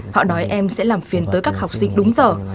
họ nói em sẽ làm phiền tới các học sinh đúng giờ